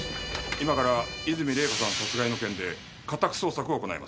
今から和泉礼香さん殺害の件で家宅捜索を行います。